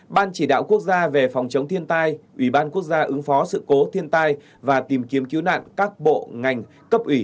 ban chỉ đạo quốc gia về phòng chống thiên tai ủy ban quốc gia ứng phó sự cố thiên tai và tìm kiếm cứu nạn các bộ ngành cấp ủy